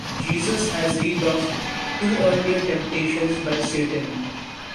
Jesus has rebuffed two earlier temptations by Satan.